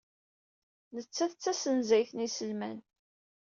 Nettat d tasenzayt n yiselman.